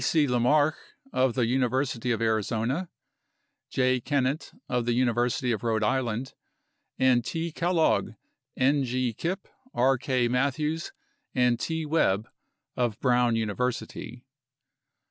C. LaMarche of the University of Arizona; J. Kennett of the University of Rhode Island; and T. Kellogg, N. G. Kipp, R. K. Matthews, and T. Webb of Brown University.